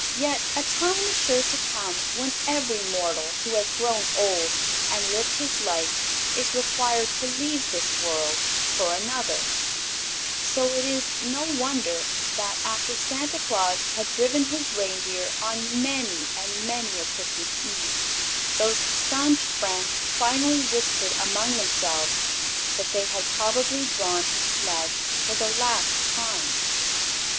Yet a time is sure to come when every mortal who has grown old and lived his life is required to leave this world for another; so it is no wonder that, after Santa Claus had driven his reindeer on many and many a Christmas Eve, those stanch friends finally whispered among themselves that they had probably drawn his sledge for the last time.